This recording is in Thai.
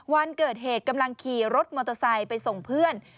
วันเกิดเหตุกำลังขี่รถมอเตอร์ไซค์ไปส่งเพื่อน